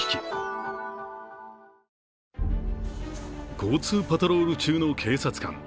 交通パトロール中の警察官。